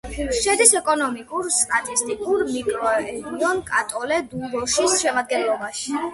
შედის ეკონომიკურ-სტატისტიკურ მიკრორეგიონ კატოლე-დუ-როშის შემადგენლობაში.